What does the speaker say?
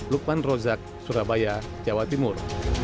lukman rozak surabaya jawa timur